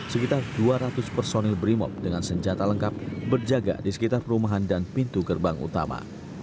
sekitar dua ratus personil brimob dengan senjata lengkap berjaga di sekitar perumahan dan pintu gerbang utama